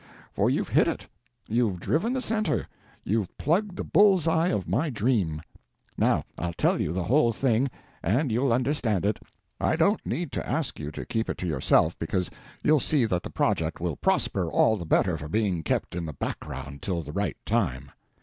For you've hit it; you've driven the centre, you've plugged the bulls eye of my dream. Now I'll tell you the whole thing, and you'll understand it. I don't need to ask you to keep it to yourself, because you'll see that the project will prosper all the better for being kept in the background till the right time.